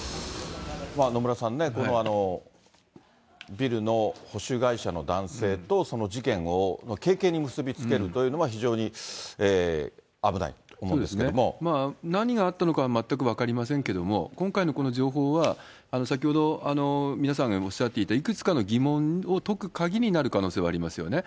野村さんね、このビルの保守会社の男性と、その事件を軽々に結び付けるというのは、非常に危ないと思うんで何があったのかは全く分かりませんけれども、今回のこの情報は、先ほど皆さんがおっしゃっていた、いくつかの疑問を解く鍵になる可能性はありますよね。